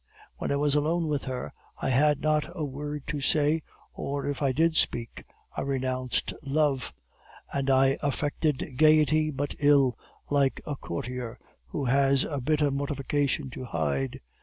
When I was alone with her, I had not a word to say, or if I did speak, I renounced love; and I affected gaiety but ill, like a courtier who has a bitter mortification to hide.